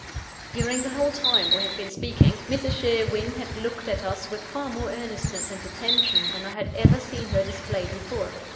During the whole time we had been speaking, Mrs. Sherwin had looked at us with far more earnestness and attention than I had ever seen her display before.